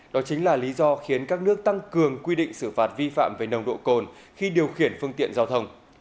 đó chính là lý do khiến các nước tăng cường quy định xử phạt vi phạm về nồng độ cồn khi điều khiển phương tiện giao thông